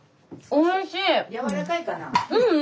おいしい？